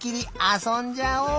あそんじゃおう！